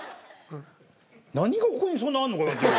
何がここにそんなにあるのかなっていう。